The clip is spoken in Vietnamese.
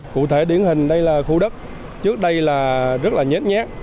cụ thể điển hình đây là khu đất trước đây là rất là nhét nhát